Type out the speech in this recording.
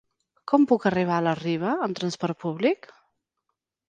Com puc arribar a la Riba amb trasport públic?